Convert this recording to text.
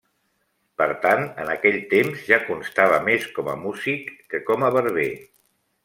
Per tant, en aquell temps ja constava més com a músic que com a barber.